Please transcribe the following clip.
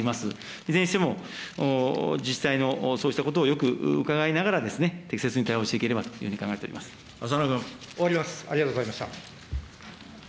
いずれにしても自治体のそうしたことをよく伺いながら、適切に対応していければというふうに考えております。